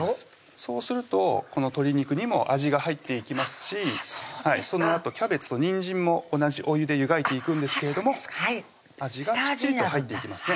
そうするとこの鶏肉にも味が入っていきますしそのあとキャベツとにんじんも同じお湯で湯がいていくんですけれども味がきっちりと入っていきますね